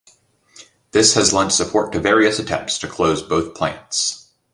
This has lent support to various attempts to close both plants.